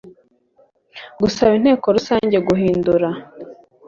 Gusaba Inteko Rusange guhindura